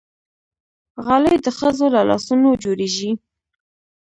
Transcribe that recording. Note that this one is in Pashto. غالۍ د ښځو له لاسونو جوړېږي.